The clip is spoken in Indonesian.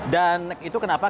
dan itu kenapa